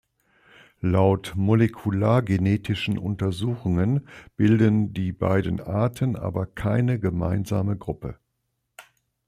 Laut molekulargenetischen Untersuchungen bilden die beiden Arten aber keine gemeinsame Gruppe.